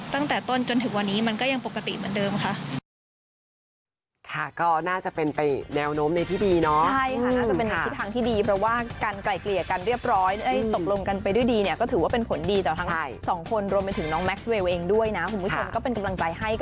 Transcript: ตั้งแต่ต้นจนถึงวันนี้มันก็ยังปกติเหมือนเดิมค่ะ